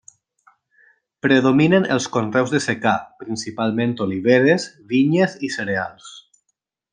Predominen els conreus de secà, principalment oliveres, vinyes i cereals.